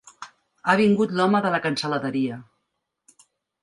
Ha vingut l'home de la cansaladeria.